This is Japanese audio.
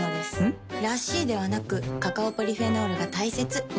ん？らしいではなくカカオポリフェノールが大切なんです。